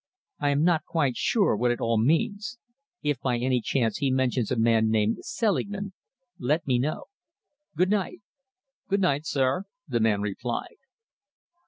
I am not quite sure what it all means. If by any chance he mentions a man named Selingman, let me know. Good night!" "Good night, sir!" the man replied.